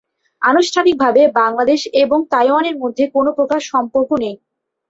আনুষ্ঠানিকভাবে বাংলাদেশ এবং তাইওয়ানের মধ্যে কোনো প্রকার সম্পর্ক নেই।